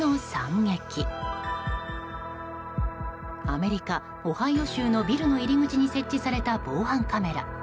アメリカ・オハイオ州のビルの入り口に設置された防犯カメラ。